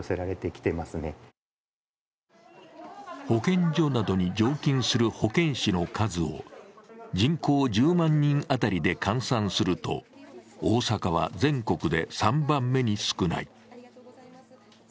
保健所などに常勤する保健師の数を人口１０万人当たりで換算すると大阪は全国で３番目に少ない。